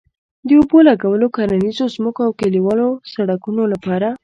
د اوبه لګولو، کرنيزو ځمکو او کلیوالو سړکونو لپاره